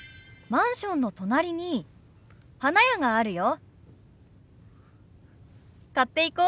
「マンションの隣に花屋があるよ」。